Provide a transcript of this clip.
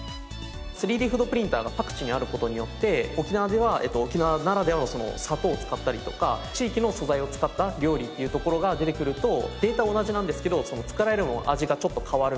３Ｄフードプリンターが各地にある事によって沖縄では沖縄ならではの砂糖を使ったりとか地域の素材を使った料理っていうところが出てくるとデータ同じなんですけど作られるものの味がちょっと変わるみたいな。